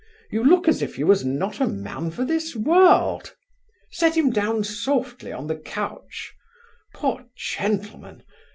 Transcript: you look as if you was not a man for this world. Set him down softly on the couch poor gentlemen!